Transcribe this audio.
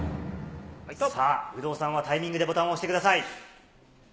さあ、有働さんはタイミングでボタンを押してください。